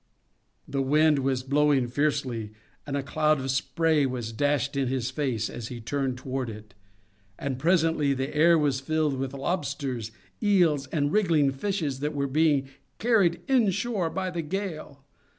The wind was blowing fiercely, and a cloud of spray was dashed in his face as he turned toward it, and presently the air was filled with lobsters, eels, and wriggling fishes that were being carried inshore by the gale.